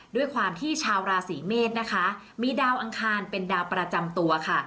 ด้วยความที่ชาวราศีเมษนะคะมีดาวอังคารเป็นดาวประจำตัวค่ะ